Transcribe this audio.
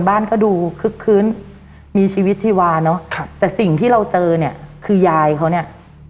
บ้านก็ดูคึกคื้นมีชีวิตชีวาเนอะครับแต่สิ่งที่เราเจอเนี่ยคือยายเขาเนี่ย